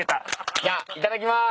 じゃあいただきます。